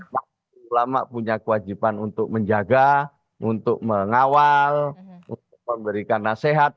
para ulama punya kewajiban untuk menjaga untuk mengawal untuk memberikan nasihat